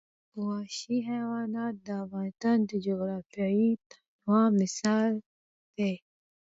وحشي حیوانات د افغانستان د جغرافیوي تنوع مثال دی.